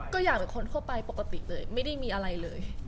ก็อยากเป็นคนทั่วไปปกติเลยไม่ได้มีอะไรเลย